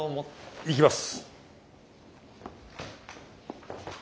行きます。